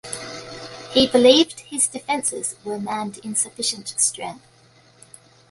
He believed his defenses were manned in sufficient strength.